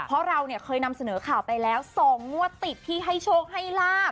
เพราะเราเนี่ยเคยนำเสนอข่าวไปแล้ว๒งวดติดที่ให้โชคให้ลาบ